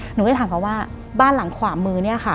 หนูก็เลยถามเขาว่าบ้านหลังขวามือเนี่ยค่ะ